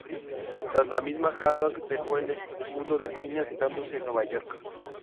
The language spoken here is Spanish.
Tras la misma, Haddock dejó el mundo del cine, asentándose en Nueva York.